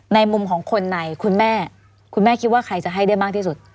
ในมุมของคนในคุณแม่คุณแม่คิดว่าใครจะให้ได้มากที่สุด